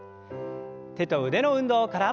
手と腕の運動から。